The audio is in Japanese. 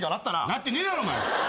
なってねえだろお前。